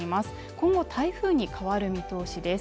今後台風に変わる見通しです